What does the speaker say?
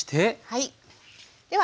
はい。